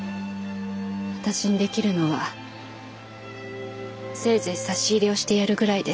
私にできるのはせいぜい差し入れをしてやるぐらいです。